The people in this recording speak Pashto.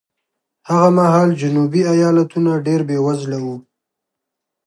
هغه مهال جنوبي ایالتونه ډېر بېوزله وو.